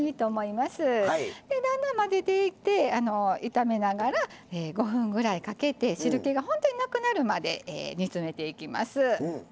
だんだん混ぜていって炒めながら５分ぐらいかけて汁けが本当になくなるまで煮詰めていきます。